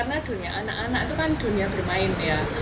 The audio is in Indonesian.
karena dunia anak anak itu kan dunia bermain ya